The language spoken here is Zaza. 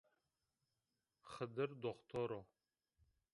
Xidir doktor o.